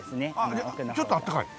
じゃあちょっとあったかい？